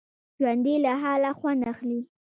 ژوندي له حاله خوند اخلي